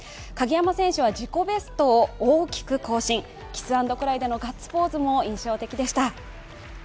鍵山選手は自己ベストを大きく更新、キス・アンド・クライでのガッツポーズも印象的でした。